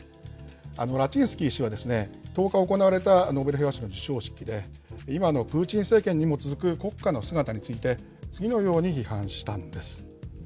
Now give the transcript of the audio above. ラチンスキー氏は、１０日行われたノーベル平和賞の授賞式で、今のプーチン政権にも続く国家の姿について、次のように批判したんです。